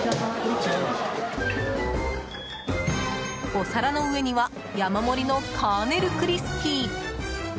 お皿の上には山盛りのカーネルクリスピー。